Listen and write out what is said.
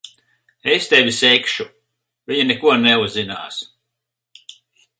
Es tevi segšu. Viņa neko neuzzinās.